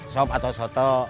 sop atau soto